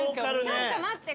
ちょっと待って。